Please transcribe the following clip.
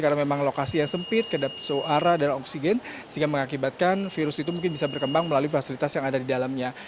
karena memang lokasi yang sempit kedap suara dan oksigen sehingga mengakibatkan virus itu mungkin bisa berkembang melalui fasilitas yang ada di dalamnya